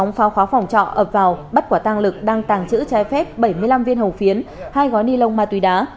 trong pháo khóa phòng trọ ập vào bắt quả tăng lực đang tăng chữ trái phép bảy mươi năm viên hồng phiến hai gói ni lông ma túy đá